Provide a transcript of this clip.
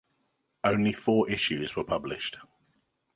Only four issues were published.